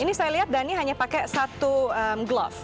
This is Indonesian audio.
ini saya lihat dhani hanya pakai satu glove